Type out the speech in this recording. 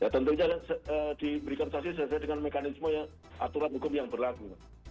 tentunya diberikan sanksi sesuai dengan mekanisme aturan hukum yang berlaku